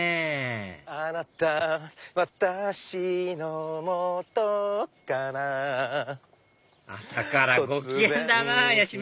あなた私のもとから朝からご機嫌だなぁ八嶋君